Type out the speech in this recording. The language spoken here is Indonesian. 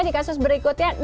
di kasus berikutnya